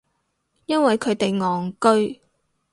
因為佢哋戇居